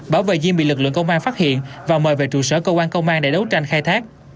bảo vệ diêm bị lực lượng công an phát hiện và mời về trụ sở công an công an để đấu tranh khai thác